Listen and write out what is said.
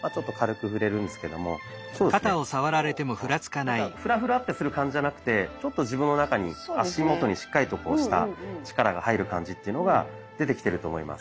なんかフラフラってする感じじゃなくてちょっと自分の中に足元にしっかりとした力が入る感じっていうのが出てきていると思います。